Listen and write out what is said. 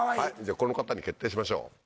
この方に決定しましょう。